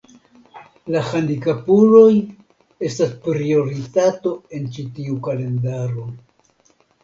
La handikapuloj estas prioritato en ĉi tiu kalendaro.